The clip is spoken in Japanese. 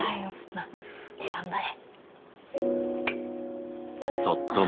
まあ頑張れ。